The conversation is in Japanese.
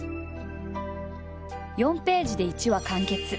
４ページで一話完結。